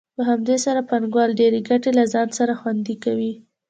په همدې سره پانګوال ډېرې ګټې له ځان سره خوندي کوي